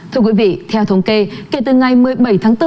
thưa quý vị theo thống kê kể từ ngày một mươi bảy tháng bốn